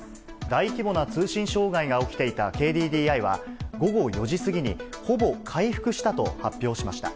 大規模な通信障害が起きていたＫＤＤＩは、午後４時過ぎに、ほぼ回復したと発表しました。